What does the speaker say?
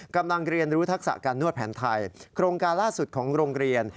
เรียนรู้ทักษะการนวดแผนไทยโครงการล่าสุดของโรงเรียน